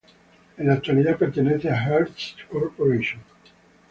En la actualidad pertenece a Hearst Corporation.